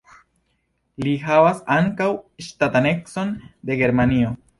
Li havas ankaŭ ŝtatanecon de Germanio.